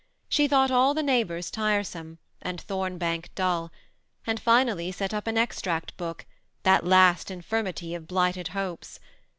She thought all the neighbors tiresome, and Thornbank dull; and finally set up an Extract Book, that last infirmity of X THE SEMI ATTACHED COUPLE. 283 blighted hopes.